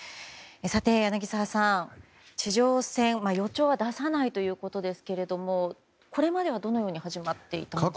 柳澤さん、地上戦の予兆は出さないということですがこれまでは、どのように始まっていたんですか。